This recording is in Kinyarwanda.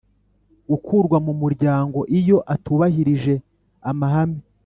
gukurwa mu muryango iyo atubahirije amahame